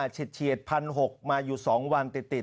เฉียด๑๖๐๐มาอยู่๒วันติด